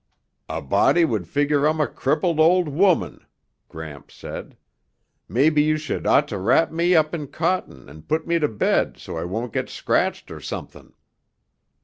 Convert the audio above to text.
"A body would figure I'm a crippled old woman," Gramps said. "Maybe you should ought to wrap me up in cotton and put me to bed so I won't get scratched or something.